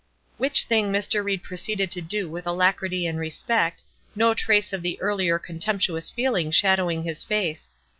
Which thing Mr. Ried proceeded to do with alacrity and respect, no trace of the earlier contemptuous feeling shadowing his face.